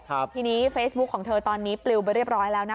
ทีนี้เฟซบุ๊คของเธอตอนนี้ปลิวไปเรียบร้อยแล้วนะคะ